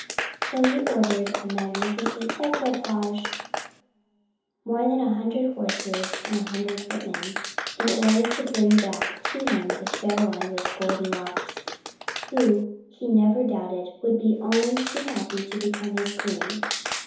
So he ordered a magnificent equipage more than a hundred horses and a hundred footmen in order to bring back to him the Fair One with Golden Locks, who, he never doubted, would be only too happy to become his queen.